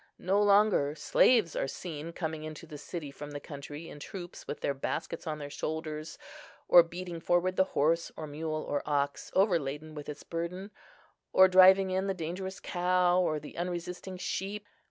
No longer slaves are seen coming into the city from the country in troops with their baskets on their shoulders, or beating forward the horse, or mule, or ox, overladen with its burden, or driving in the dangerous cow, or the unresisting sheep.